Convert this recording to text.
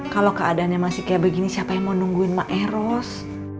kalau keadaannya masih kayak begini siapa yang mau nungguin maeros